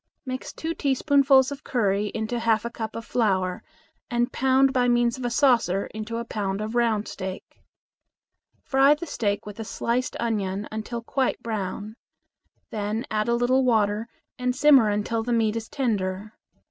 Mix two teaspoonfuls of curry powder into a half cup of flour, and pound by means of a saucer into a pound of round steak. Fry the steak with a sliced onion until quite brown. Then add a little water and simmer until the meat is tender.